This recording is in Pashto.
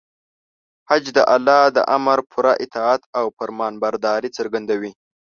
حج د الله د امر پوره اطاعت او فرمانبرداري څرګندوي.